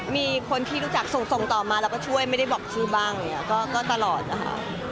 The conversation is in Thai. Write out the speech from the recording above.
มีคนที่รู้จักส่งต่อมาแล้วก็ช่วยไม่ได้บอกชื่อบ้างอะไรอย่างนี้ก็ตลอดนะคะ